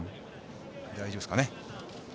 大丈夫ですかね。